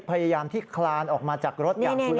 พยายามที่คลานออกมาจากรถ